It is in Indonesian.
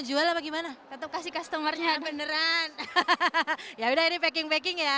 jual bagaimana tetap kasih customer nya beneran hahaha ya udah ini packing baking ya ya banyak